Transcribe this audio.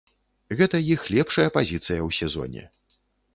Гэта іх лепшая пазіцыя ў сезоне.